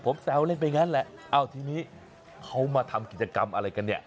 ผมแซวเล่นไปงั้นแหละเอ้าทีนี้เขามาทำกิจกรรมอะไรกันเนี่ย